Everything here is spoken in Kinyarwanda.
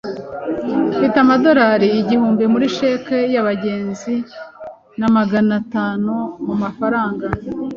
Mfite amadorari igihumbi muri cheque yabagenzi na magana atanu mumafaranga.